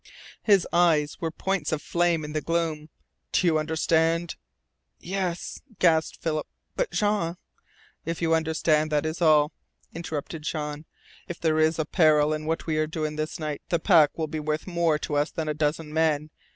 His eyes were points of flame in the gloom. "Do you understand?" "Yes," gasped Philip. "But Jean " "If you understand that is all," interrupted Jean, "If there is a peril in what we are doing this night the pack will be worth more to us than a dozen men.